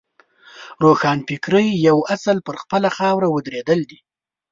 روښانفکرۍ یو اصل پر خپله خاوره ودرېدل دي.